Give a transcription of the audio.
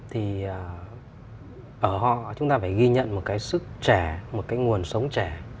thì ở họ chúng ta phải ghi nhận một cái sức trẻ một cái nguồn sống trẻ